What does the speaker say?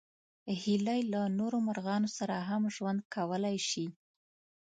هیلۍ له نورو مرغانو سره هم ژوند کولی شي